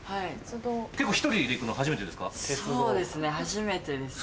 一人で行くの初めてですか？